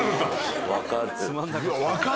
分かる？